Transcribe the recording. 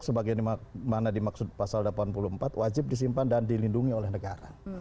sebagaimana dimaksud pasal delapan puluh empat wajib disimpan dan dilindungi oleh negara